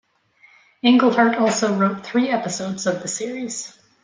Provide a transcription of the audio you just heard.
Englehart also wrote three episodes of the series.